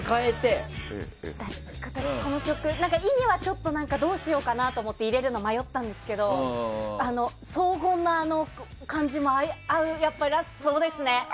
意味はちょっとどうしようかなと思って入れるの迷ったんですけど荘厳な感じも合うのでそうですね。